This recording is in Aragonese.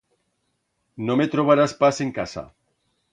No me trobarás pas en casa.